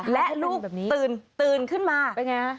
และลูกตื่นขึ้นมา